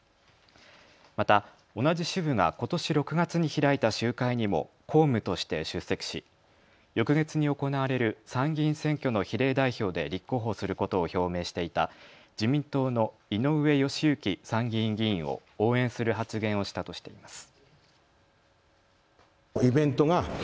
また同じ支部がことし６月に開いた集会にも公務として出席し翌月に行われる参議院選挙の比例代表で立候補することを表明していた自民党の井上義行参議院議員を応援する発言をしたとしています。